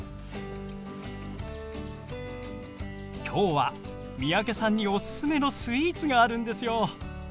きょうは三宅さんにおすすめのスイーツがあるんですよ。